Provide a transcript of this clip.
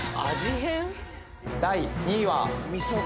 変⁉第２位は。